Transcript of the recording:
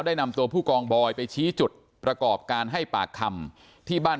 นำตัวผู้กองบอยไปชี้จุดประกอบการให้ปากคำที่บ้าน